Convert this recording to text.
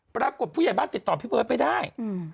ปรากฏผู้ใหญ่บ้านติดต่อพี่เบิร์ตไม่ได้